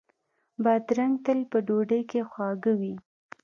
بادرنګ تل په ډوډۍ کې خواږه وي.